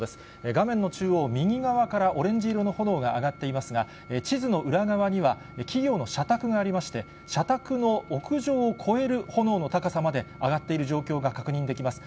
画面の中央右側からオレンジ色の炎が上がっていますが、地図の裏側には、企業の社宅がありまして、社宅の屋上を超える炎の高さまで上がっている状況が確認できます。